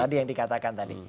tadi yang dikatakan tadi